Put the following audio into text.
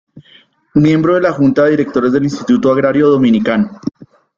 Miembro de la Junta de Directores del Instituto Agrario Dominicano.